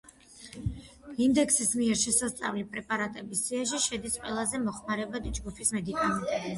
ინდექსის მიერ შესწავლილი პრეპარატების სიაში შედის ყველაზე მოხმარებადი ჯგუფის მედიკამენტები.